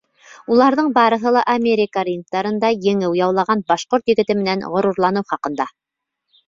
Уларҙың барыһы ла Америка рингтарында еңеү яулаған башҡорт егете менән ғорурланыу хаҡында.